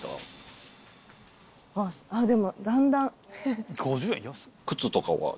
あっでもだんだん。